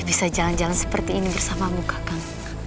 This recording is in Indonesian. bisa jalan jalan seperti ini bersamamu kakak